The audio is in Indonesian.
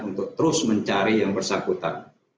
untuk terus mencari yang bersangkutan